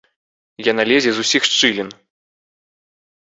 Яна лезе з усіх шчылін.